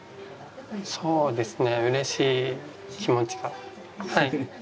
そうですね、うれしい気持ちが。